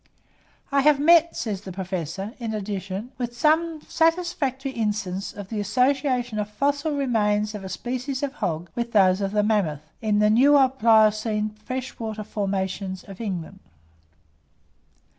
I have met," says the professor, in addition, "with some satisfactory instances of the association of fossil remains of a species of hog with those of the mammoth, in the newer pliocene freshwater formations of England."